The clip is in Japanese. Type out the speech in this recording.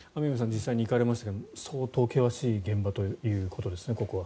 実際に行かれましたが相当険しい現場ということですね。